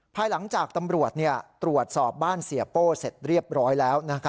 ภายหลังจากตำรวจตรวจสอบบ้านเสียโป้เสร็จเรียบร้อยแล้ว